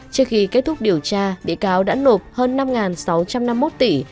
trước khi kết thúc điều tra bị cáo đã nộp hơn năm sáu trăm năm mươi một tỷ